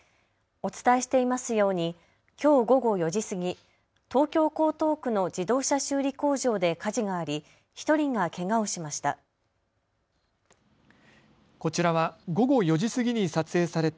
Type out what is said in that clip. お伝えしていますようにきょう午後４時過ぎ、東京江東区の自動車修理工場で火事があり１人がけがをしました。